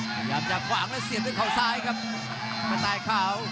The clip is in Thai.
ขยับจะขวางแล้วเสียบด้วยข่าวซ้ายครับมันตายขาว